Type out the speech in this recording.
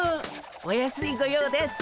お安いご用です！